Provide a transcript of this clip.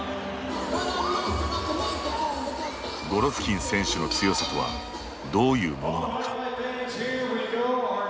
ゴロフキン選手の強さとはどういうものなのか。